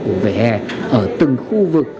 của vỉa hè ở từng khu vực